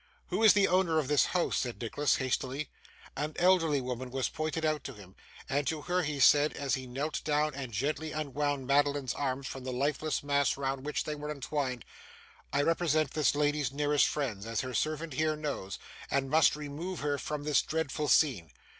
'Who is the owner of this house?' said Nicholas, hastily. An elderly woman was pointed out to him; and to her he said, as he knelt down and gently unwound Madeline's arms from the lifeless mass round which they were entwined: 'I represent this lady's nearest friends, as her servant here knows, and must remove her from this dreadful scene.